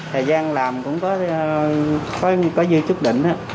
thời gian làm cũng có dư chức đỉnh